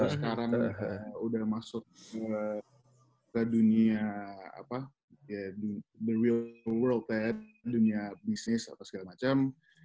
sekarang udah masuk ke dunia apa the real world dunia bisnis segala macem